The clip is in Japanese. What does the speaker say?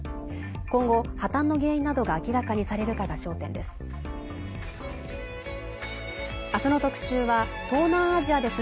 今後、破綻の原因などが明らかにされるかが焦点です。